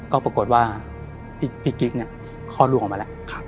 ก็ปรากฏว่าพี่กิ๊กเนี่ยคลอดลูกออกมาแล้ว